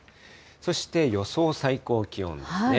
そして、予想最高気温ですね。